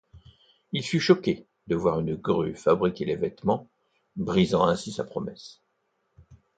Il fut choqué de voir une grue fabriquer les vêtements, brisant ainsi sa promesse.